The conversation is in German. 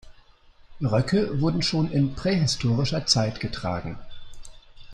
Röcke wurden schon in prähistorischer Zeit getragen.